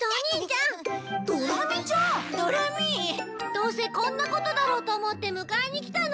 どうせこんなことだろうと思って迎えに来たのよ。